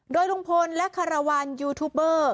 โดยลุงพลและคารวรรณยูทูบเบอร์